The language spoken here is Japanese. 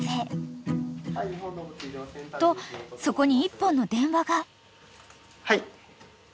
［とそこに１本の電話が］